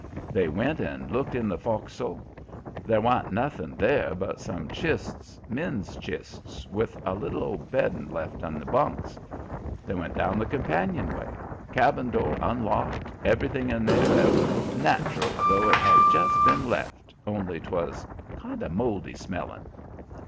They went and looked in the fo'k'sel: there wan't nothin' there but some chists, men's chists, with a little old beddin' left in the bunks. They went down the companion way: cabin door unlocked, everything in there as nat'ral's though it had just been left, only 'twas kind o' mouldy smellin'.